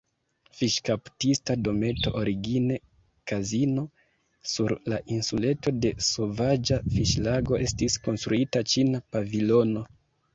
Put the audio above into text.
Fiŝkaptista Dometo, origine kazino; sur la insuleto de Sovaĝa Fiŝlago estis konstruita Ĉina Pavilono.